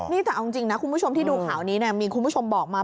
นี่แต่เอาจริงนะคุณผู้ชมที่ดูข่าวนี้มีคุณผู้ชมบอกมา